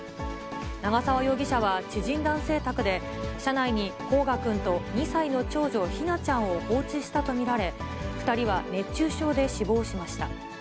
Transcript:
長沢容疑者は知人男性宅で、車内に煌翔くんと２歳の長女、姫梛ちゃんを放置したと見られ、２人は熱中症で死亡しました。